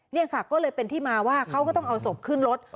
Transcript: นี่ค่ะก็เลยเป็นที่มาว่าเขาก็ต้องเอาศพขึ้นรถ